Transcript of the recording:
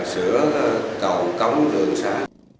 sửa cầu cống lươn xác